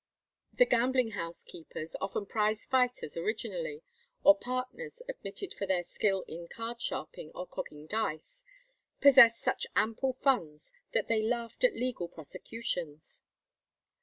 The gambling house keepers, often prize fighters originally, or partners admitted for their skill in card sharping or cogging dice, possessed such ample funds that they laughed at legal prosecutions.